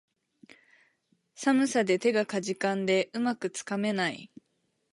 寒さで手がかじかんで、うまくつかめない